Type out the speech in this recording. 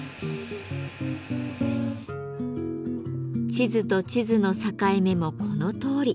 地図と地図の境目もこのとおり。